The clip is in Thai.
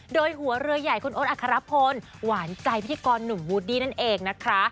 โดยหัวเรือใหญ่คุณโอ๊อัครพลหวานใจพิธีกรหนุ่มวูดดี้นั่นเองนะคะ